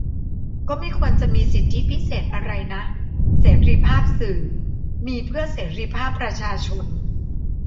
ก็ไม่ควรจะมีสิทธิพิเศษอะไรนะ - เสรีภาพสื่อมีเพื่อเสรีภาพประชาชน